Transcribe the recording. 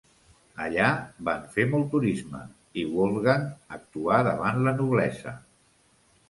Allà van fer molt turisme i Wolfgang actuà davant la noblesa.